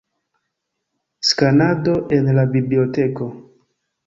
Skanado en la biblioteko.